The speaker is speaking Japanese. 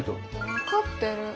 分かってる。